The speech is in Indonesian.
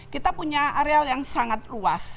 kita punya areal yang sangat luas